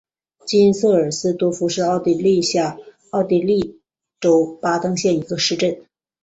金瑟尔斯多夫是奥地利下奥地利州巴登县的一个市镇。